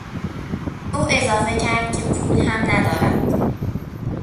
او اضافه کرد که پول هم ندارد.